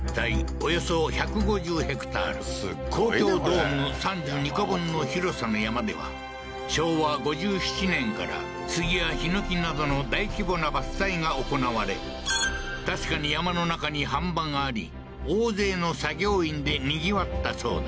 およそ１５０ｈａ東京ドーム３２個分の広さの山では昭和５７年から杉や檜などの大規模な伐採が行われ確かに山の中に飯場があり大勢の作業員でにぎわったそうだ